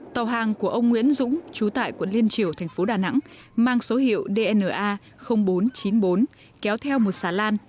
tàu hàng của ông nguyễn dũng trú tại quận liên triều thành phố đà nẵng mang số hiệu dna bốn trăm chín mươi bốn kéo theo một xà lan